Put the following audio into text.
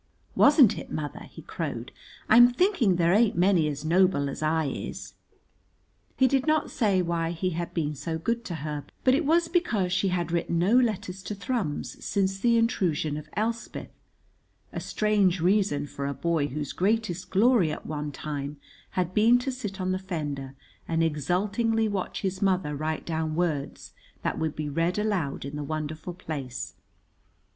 "Wasn't it, mother?" he crowed "I'm thinking there ain't many as noble as I is!" He did not say why he had been so good to her, but it was because she had written no letters to Thrums since the intrusion of Elspeth; a strange reason for a boy whose greatest glory at one time had been to sit on the fender and exultingly watch his mother write down words that would be read aloud in the wonderful place.